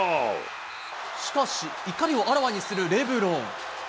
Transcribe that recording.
しかし、怒りをあらわにするレブロン。